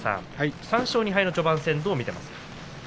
３勝２敗の序盤戦どう見ていますか？